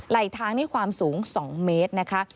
ไหล่ทางในความสูง๒เมตรนะคะ